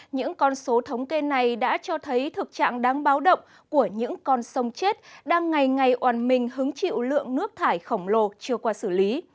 những con số thống kê này đã cho thấy thực trạng đáng báo động của những con sông chết đang ngày ngày oàn mình hứng chịu lượng nước thải khổng lồ chưa qua xử lý